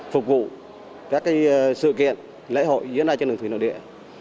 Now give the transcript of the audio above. phục vụ các sự kiện lễ hội diễn ra trên đường thủy nội địa